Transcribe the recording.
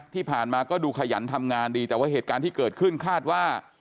ที่ผ่านมาก็ดูขยันทำงานดีแต่ว่าเหตุการณ์ที่เกิดขึ้นคาดว่า